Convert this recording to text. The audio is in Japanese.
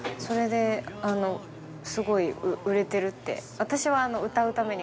それですごい売れてるって。